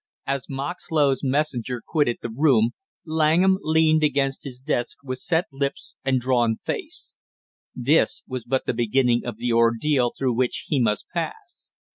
As Moxlow's messenger quitted the room Langham leaned against his desk with set lips and drawn face; this was but the beginning of the ordeal through which he must pass!